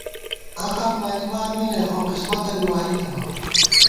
عقل مَنِمان می نئ ، خو قسمت بی واری تھنہ